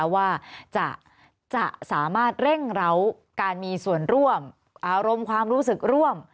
ว่าจะสามารถเร่งร้าการมีส่วนร่วมอารมณ์ความรู้สึกร่วม